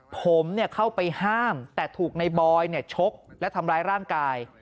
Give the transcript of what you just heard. ผมเข้าไปห้ามแต่ถูกในบอยชกและทำร้ายร่างกาย